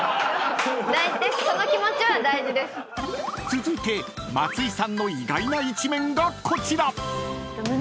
［続いて松井さんの意外な一面がこちら］